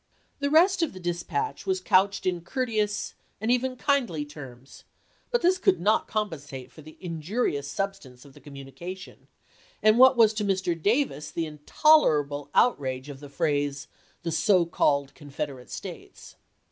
The rest of the dispatch was couched in cour teous and even kindly terms; but this could not compensate for the injurious substance of the communication, and what was to Mr. Da^ds the intolerable outrage of the phrase, "the so called Confederate States."